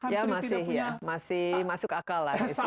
ya masih masuk akal lah